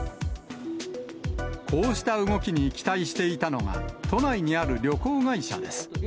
こうした動きに期待していたのが、都内にある旅行会社です。